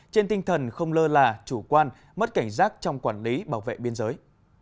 trên tinh thần không lơ là chủ quan mất cảnh giác trong quản lý bảo vệ biên giới